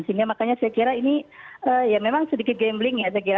sehingga makanya saya kira ini ya memang sedikit gambling ya saya kira